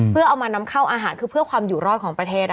เพื่อเอามานำเข้าอาหารคือเพื่อความอยู่รอดของประเทศ